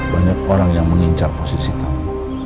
banyak orang yang mengincar posisi kami